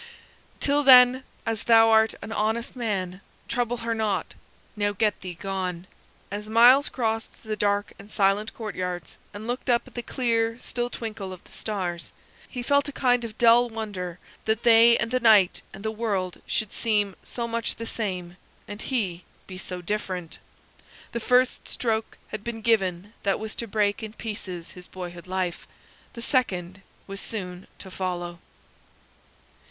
Till then, as thou art an honest man, trouble her not. Now get thee gone." As Myles crossed the dark and silent courtyards, and looked up at the clear, still twinkle of the stars, he felt a kind of dull wonder that they and the night and the world should seem so much the same, and he be so different. The first stroke had been given that was to break in pieces his boyhood life the second was soon to follow.